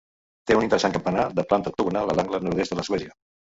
Té un interessant campanar de planta octogonal a l'angle nord-est de l'església.